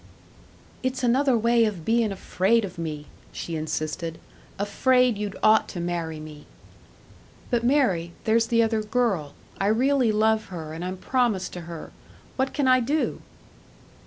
"It's another way of bein' afraid of me," she insisted. "Afraid you'd ought to marry me!" "But, Mary there's the other girl. I really love her, and I'm promised to her. What can I do?"